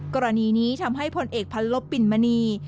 กรณีนี้ทำให้ผลเอกพันลบปิ่นมณี